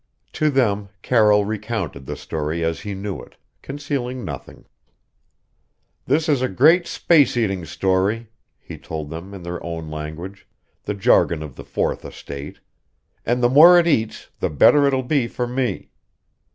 To them Carroll recounted the story as he knew it, concealing nothing. "This is a great space eating story," he told them in their own language the jargon of the fourth estate "and the more it eats the better it'll be for me.